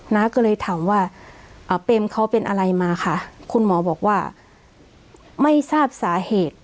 น้าก็เลยถามว่าเปมเขาเป็นอะไรมาค่ะคุณหมอบอกว่าไม่ทราบสาเหตุ